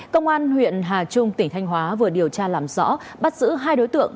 công an huyện hà trung tỉnh thanh hóa vừa điều tra làm rõ bắt giữ hai đối tượng